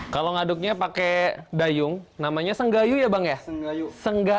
kalau ngaduknya pakai dayung namanya senggayu ya bang ya